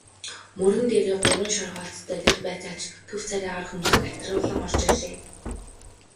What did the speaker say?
Мөрөн дээрээ гурван шоргоолжтой тэр байцаагч төв царайгаар хөмсөг атируулан орж ирлээ.